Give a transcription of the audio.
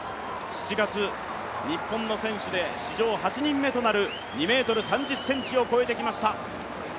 ７月、日本の選手で史上８人目となる２ｍ３０ｃｍを越えてきました。